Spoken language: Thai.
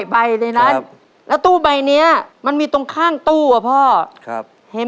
พิมพองว่ามีอะไรมีต้องค่างตู้ครับแล้วตู้ใบเอาของบ้านใหม่